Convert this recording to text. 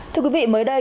thưa quý vị mới đây